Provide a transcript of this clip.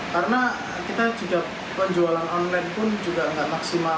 karena kita juga penjualan online pun juga tidak maksimal